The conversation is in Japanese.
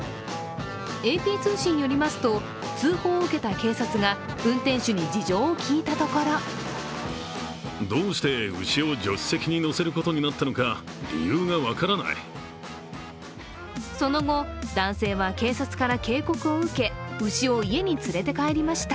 ＡＰ通信によりますと通報を受けた警察が運転手に事情を聞いたところその後、男性は警察から警告を受け牛を家に連れて帰りました。